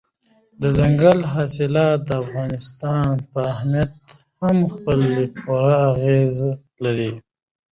دځنګل حاصلات د افغانستان په امنیت هم خپل پوره اغېز لري.